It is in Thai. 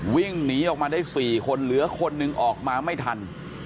วิ่งหนีออกมาได้๔คนเหลือคนหนึ่งออกมาไม่ทัน